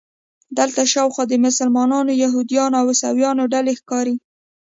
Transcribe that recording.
دلته شاوخوا د مسلمانانو، یهودانو او عیسویانو ډلې ښکاري.